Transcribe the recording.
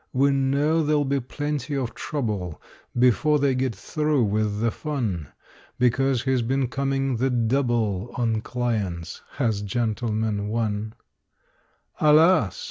We know there'll be plenty of trouble Before they get through with the fun, Because he's been coming the double On clients, has "Gentleman, One". Alas!